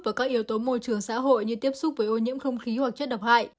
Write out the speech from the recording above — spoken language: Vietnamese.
vào các yếu tố môi trường xã hội như tiếp xúc với ô nhiễm không khí hoặc chất độc hại